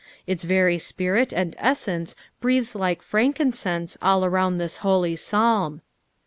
Its very spirit and essence breathes like frankincense all around this holy Psalm.